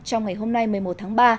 trong ngày hôm nay một mươi một tháng ba